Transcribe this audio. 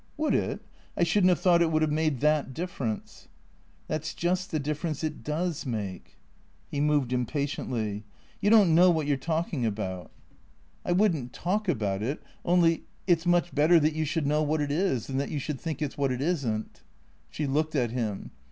" AYould it? I shouldn't have thought it would have made that difl^erence." " That 's just the difference it does make." He moved impatiently. " You don't know what you 're talk ing about." 352 THE CEEA TOES " I would n't talk about it — only — it 's much better that you should know what it is, than that you should think it 's what it is n't." She looked at him.